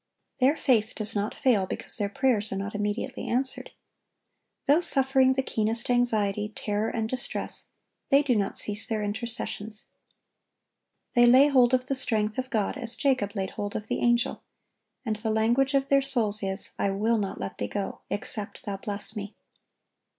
(1060) Their faith does not fail because their prayers are not immediately answered. Though suffering the keenest anxiety, terror, and distress, they do not cease their intercessions. They lay hold of the strength of God as Jacob laid hold of the Angel; and the language of their souls is, "I will not let Thee go, except Thou bless me."